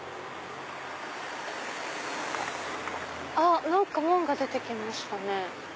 あっ何か門が出て来ましたね。